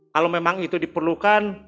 kalau memang itu diperlukan